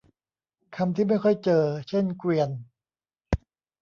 คำที่ไม่ค่อยเจอเช่นเกวียน